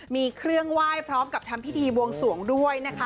มีเครื่องไหว้พร้อมกับทำพิธีบวงสวงด้วยนะคะ